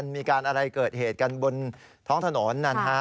มีการอะไรเกิดเหตุกันบนท้องถนน